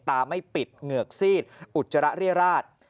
ไม่ปิดเหงือกซีดอุจจาระเรียราช